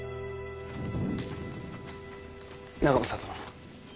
長政殿。